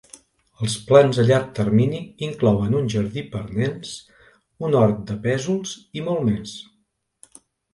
Els plans a llarg termini inclouen un jardí per a nens, un hort de pèsols i molt més.